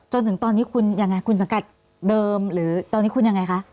จนถึงตอนนี้คุณยังไงคุณสังกัดเดิมหรือตอนนี้คุณยังไงคะ